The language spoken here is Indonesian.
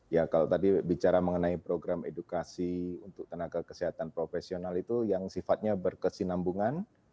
ya kalau tadi bicara mengenai program edukasi untuk tenaga kesehatan profesional itu yang sifatnya berkesinambungan